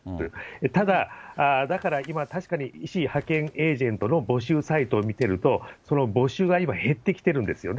ただ、だから今、確かに医師派遣エージェントの募集サイトを見てると、その募集が今、減ってきてるんですよね。